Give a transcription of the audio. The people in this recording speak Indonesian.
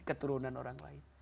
keturunan orang lain